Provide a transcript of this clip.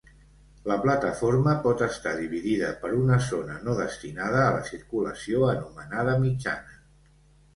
La plataforma pot estar dividida per una zona no destinada a la circulació anomenada mitjana.